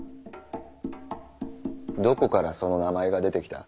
どこからその名前が出てきた？